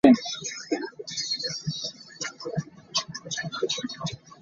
In addition to sports, astronomy is also Doctor Chung's interest.